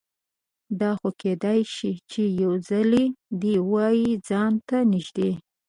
دا خو کیدای شوه چې یوځلې دې وای ځان ته نږدې